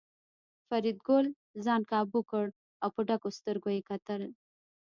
فریدګل ځان کابو کړ او په ډکو سترګو یې کتل